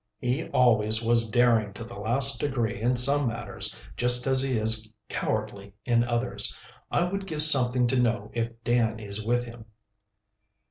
"He always was daring to the last degree in some matters, just as he is cowardly in others. I would give something to know if Dan is with him."